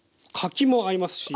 柿も合いますし。